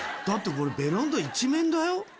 だってこれベランダ一面だよ。